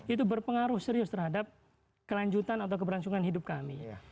itu berpengaruh serius terhadap kelanjutan atau keberlangsungan hidup kami